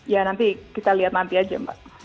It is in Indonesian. ya nanti kita lihat nanti aja mbak